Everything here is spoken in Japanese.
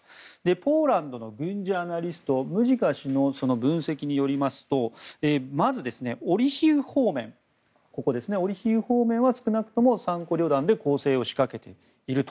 ポーランドの軍事アナリストムジカ氏の分析によりますとまずオリヒウ方面は少なくとも３個旅団で攻勢を仕掛けていると。